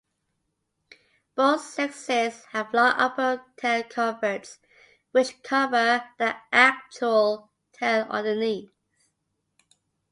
Both sexes have long upper tail coverts which cover the actual tail underneath.